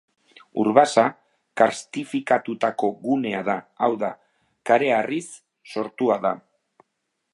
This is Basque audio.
Urbasa karstifikatutako gunea da, hau da, kareharriz sortua da.